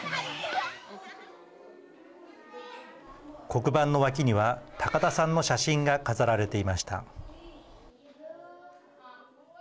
黒板の脇には高田さんの写真が飾られていました。